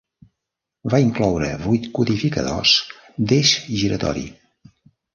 Va incloure vuit codificadors d'eix giratori.